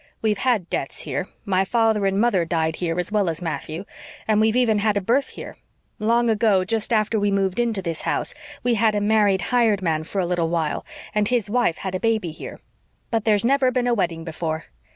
We've had deaths here my father and mother died here as well as Matthew; and we've even had a birth here. Long ago, just after we moved into this house, we had a married hired man for a little while, and his wife had a baby here. But there's never been a wedding before.